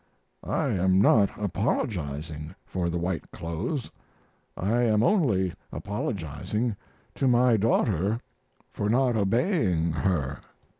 I am not apologizing for the white clothes; I am only apologizing to my daughter for not obeying her.